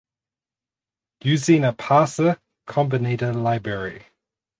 using a parser combinator library